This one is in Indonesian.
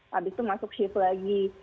habis itu masuk shift lagi